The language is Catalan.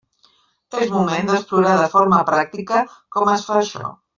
És moment d'explorar de forma pràctica com es fa això.